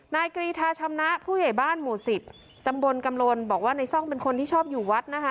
นายกรีธาชำนะผู้ใหญ่บ้านหมู่สิบตำบลกำลนบอกว่าในซ่องเป็นคนที่ชอบอยู่วัดนะคะ